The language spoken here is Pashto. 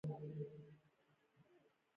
افغانستان مرکزي او سویلي اسیا نښلوي